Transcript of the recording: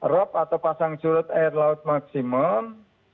rop atau pasang surut air laut maksimum